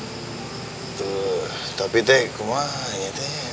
tuh tapi teh gampang ya teh